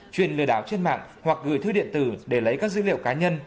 chuyên lừa đảo trên mạng hoặc gửi thư điện tử để lấy các dữ liệu cá nhân